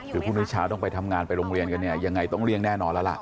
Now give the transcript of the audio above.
ถ้าผู้นิชชาต้องไปทำงานไปโรงเรียนกันนี่อย่างไรต้องเลี่ยงแน่นอนละล่ะ